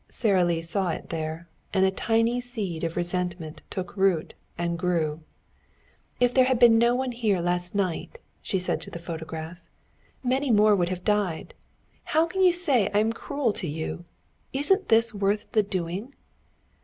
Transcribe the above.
Sara Lee saw it there, and a tiny seed of resentment took root and grew. "If there had been no one here last night," she said to the photograph, "many more would have died. How can you say I am cruel to you? Isn't this worth the doing?"